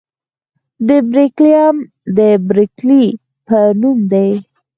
د برکیلیم د برکلي په نوم دی.